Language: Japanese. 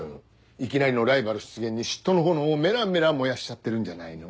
いきなりのライバル出現に嫉妬の炎をメラメラ燃やしちゃってるんじゃないの？